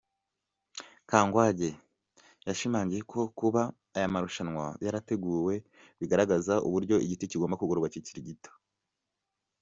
Kangwagye yashimangiye ko kuba aya amarushanwa yarateguwe bigaragaza uburyo igiti kigomba kugororwa kikiri gito.